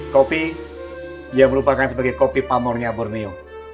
kopi yang merupakan sebagai kopi pamornya borneo